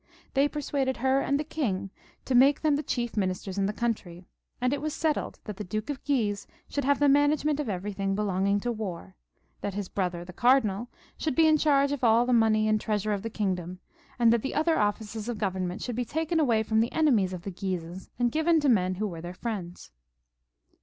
They persuaded her and the king to make them the chief ministers in the country ; and it was settled that the Duke of Guise should have the management of every thing belonging to war; that his brother the cardinal should be in charge of aU the money and treasure of the kingdom ; and that the other ofi&ces of government should 264 FRANCIS IL [CH. be taken away from the enemies of the Guises and given to men who were their Mends.